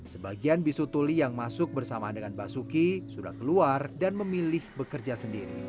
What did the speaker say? sebagian bisu tuli yang masuk bersamaan dengan basuki sudah keluar dan memilih bekerja sendiri